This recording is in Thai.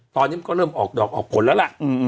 ตอนนี้มันก็เริ่มออกดอกออกผลแล้วล่ะ